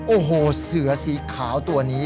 โอ้โหเสือสีขาวตัวนี้